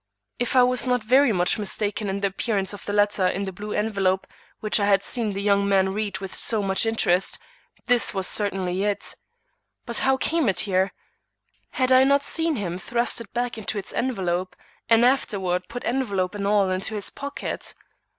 If I was not very much mistaken in the appearance of the letter in the blue envelope which I had seen the young man read with so much interest, this was certainly it. But how came it here? Had I not seen him thrust it back into its envelope and afterward put envelope and all into his pocket?